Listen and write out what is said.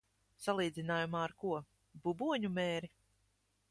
Salīdzinājumā ar ko? Buboņu mēri?